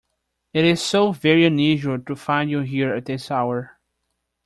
It is so very unusual to find you here at this hour.